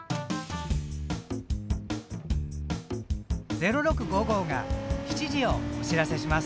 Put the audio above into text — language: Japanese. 「０６５５」が７時をお知らせします。